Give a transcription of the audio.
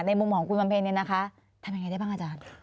มุมของคุณบำเพ็ญเนี่ยนะคะทำยังไงได้บ้างอาจารย์